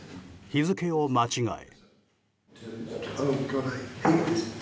日付を間違え。